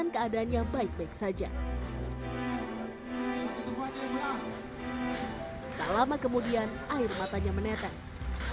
kemudian air matanya menetes